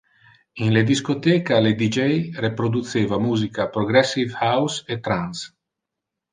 In le discotheca, le D J reproduceva musica progressive house e trance.